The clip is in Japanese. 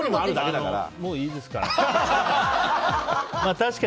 もういいですか？